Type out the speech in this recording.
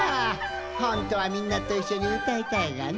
ほんとはみんなといっしょにうたいたいがな。